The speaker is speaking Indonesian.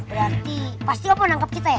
berarti pasti aku mau nangkep kita ya